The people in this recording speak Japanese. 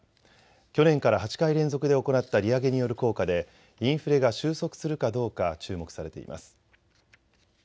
去年から８回連続で行った利上げによる効果でインフレが収束するかどうか注目されています。